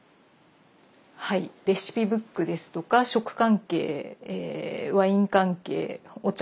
はいレシピブックですとか食関係ワイン関係お茶